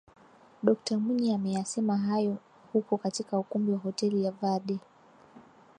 Dokta Mwinyi ameyasema hayo huko katika ukumbi wa Hoteli ya Verde